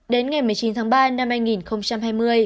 đến ngày một mươi chín tháng ba năm hai nghìn hai mươi